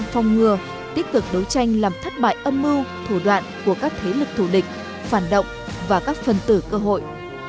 phòng ngừa tích cực đấu tranh làm thất bại âm mưu thủ đoạn của các thế lực thù địch phản động và các phần tử cơ hội